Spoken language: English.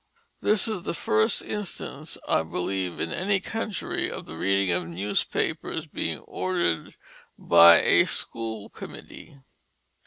This is the first instance I believe in any country of the reading of newspapers being ordered by a school committee.